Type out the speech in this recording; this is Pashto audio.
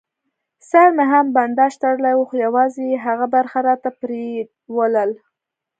سر مې هم په بنداژ تړلی و، خو یوازې یې هغه برخه راته پرېولل.